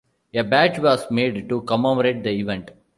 A badge was made to commemorate the event.